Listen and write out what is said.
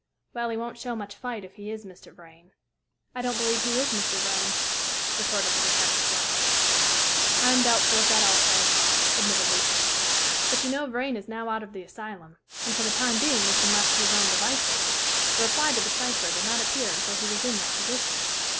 "Well, he won't show much fight if he is Mr. Vrain." "I don't believe he is Mr. Vrain," retorted the detective bluntly. "I am doubtful of that, also," admitted Lucian, "but you know Vrain is now out of the asylum, and, for the time being, has been left to his own devices. The reply to the cypher did not appear until he was in that position.